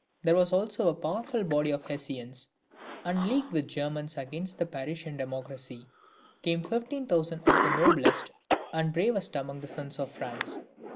There was also a powerful body of Hessians, and leagued with the Germans against the Parisian democracy, came fifteen thousand of the noblest and bravest amongst the sons of France.